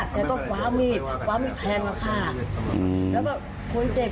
แล้วก็ขวามีดขวามีดแพงแล้วค่ะอืมแล้วก็